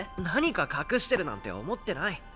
何か隠してるなんて思ってない。